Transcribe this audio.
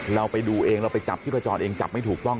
เราไปดูเองเราไปจับที่พจรเองจับไม่ถูกต้อง